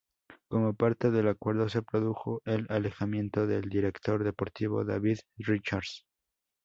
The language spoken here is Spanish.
Como parte del acuerdo, se produjo el alejamiento del director deportivo David Richards.